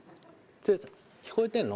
聞こえてんの？